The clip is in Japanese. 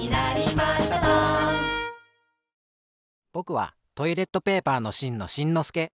ぼくはトイレットペーパーのしんのしんのすけ。